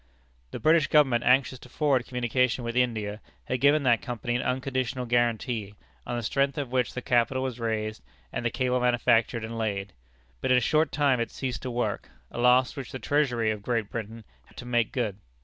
The British Government, anxious to forward communication with India, had given that Company an unconditional guarantee, on the strength of which the capital was raised, and the cable manufactured and laid. But in a short time it ceased to work, a loss which the treasury of Great Britain had to make good.